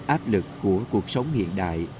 áp lực của cuộc sống hiện đại